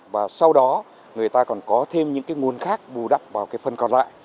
và sau đó người ta còn có thêm những nguồn khác bù đắp vào phần còn lại